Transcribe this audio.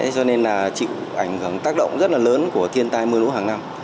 cho nên chịu ảnh hưởng tác động rất lớn của thiên tai mưa nũ hàng năm